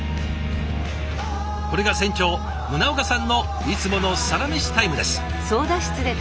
これが船長宗岡さんのいつものサラメシタイムです。